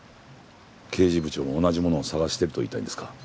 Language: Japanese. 刑事部長も同じものを探してると言いたいんですか？